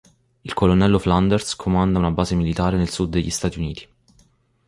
Il Colonnello Flanders comanda una base militare nel sud degli Stati Uniti.